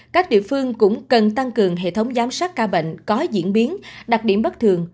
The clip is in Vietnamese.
các địa phương cũng cần tăng cường hệ thống giám sát ca bệnh có diễn biến đặc điểm bất thường